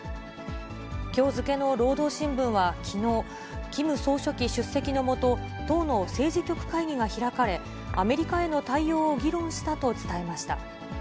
きょう付けの労働新聞はきのう、キム総書記出席の下、党の政治局会議が開かれ、アメリカへの対応を議論したと伝えました。